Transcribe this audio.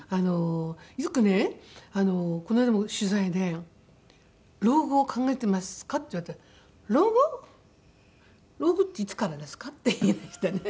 よくねこの間も取材で「老後を考えてますか？」って言われて「老後？」「老後っていつからですか？」って言いましたね。